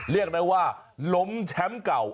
เรียกได้ว่าล้มแชมป์เก่า